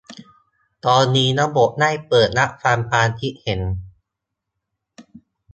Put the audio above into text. ตอนนี้ระบบได้เปิดรับฟังความคิดเห็น